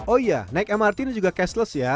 oh iya naik mrt dan juga cashless ya